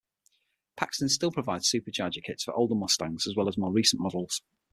Paxton still provides supercharger kits for older Mustangs as well as more recent models.